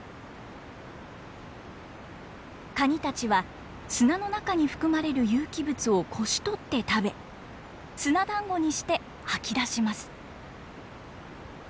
カニたちは砂の中に含まれる有機物をこしとって食べ砂だんごにして吐き出します。